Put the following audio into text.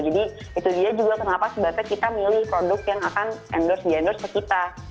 jadi itu dia juga kenapa sebabnya kita milih produk yang akan di endorse ke kita